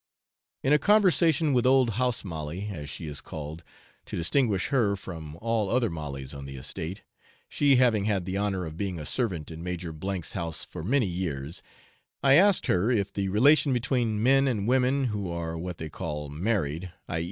In a conversation with old 'House Molly,' as she is called, to distinguish her from all other Mollies on the estate, she having had the honour of being a servant in Major 's house for many years, I asked her if the relation between men and women who are what they call married, i.